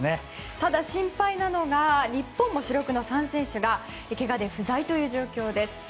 ただ、心配なのは日本の主力の３選手がけがで不在ということです。